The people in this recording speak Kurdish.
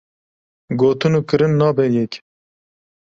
Gotin û kirin nabe yek.